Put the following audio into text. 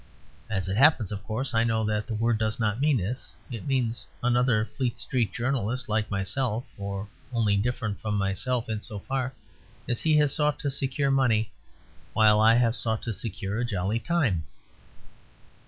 As it happens, of course, I know that the word does not mean this; it means another Fleet Street journalist like myself or only different from myself in so far as he has sought to secure money while I have sought to secure a jolly time.